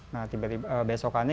nah tiba tiba besoknya